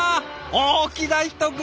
大きな一口。